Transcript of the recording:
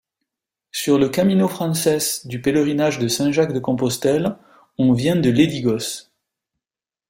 Sur le Camino francés du Pèlerinage de Saint-Jacques-de-Compostelle, on vient de Ledigos.